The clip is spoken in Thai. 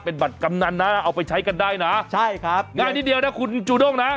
เป็นบัตรกำนันนะเอาไปใช้กันได้นะใช่ครับง่ายนิดเดียวนะคุณจูด้งนะ